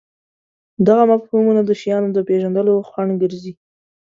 دغه مفهومونه د شیانو د پېژندلو خنډ ګرځي.